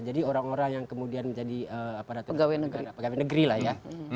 jadi orang orang yang kemudian menjadi pejabat negeri lah ya